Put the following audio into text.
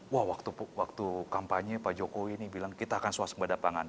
wah waktu kampanye pak jokowi ini bilang kita akan suasembada pangan